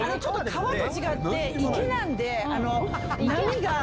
川と違って池なんで。